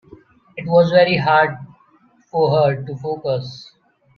It was very hard for her to focus.